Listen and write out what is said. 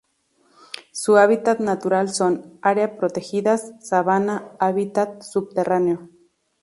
Su hábitat natural son: área protegidas, sabana, hábitat subterráneo.